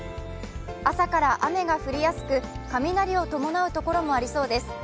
朝から雨が降りやすく雷を伴うところもありそうです。